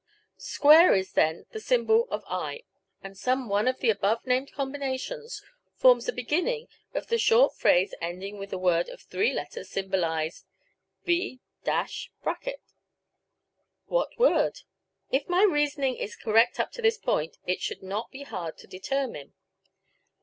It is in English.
[] is then the symbol of i, and some one of the above named combinations forms the beginning of the short phrase ending with a word of three letters symbolized by V [].< What word? If my reasoning is correct up to this point, it should not be hard to determine.